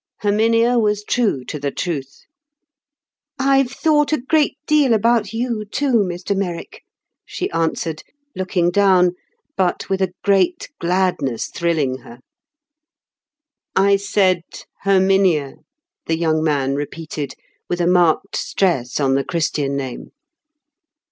Herminia was true to the Truth. "I've thought a great deal about you too, Mr Merrick," she answered, looking down, but with a great gladness thrilling her. "I said 'Herminia,'" the young man repeated, with a marked stress on the Christian name.